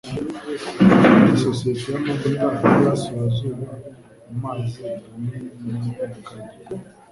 Nigute Isosiyete Yamavuta Yiburasirazuba Amazi Yamenyekanye?